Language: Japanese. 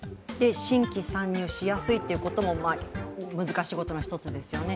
新規参入しやすいということも難しいことの一つですよね。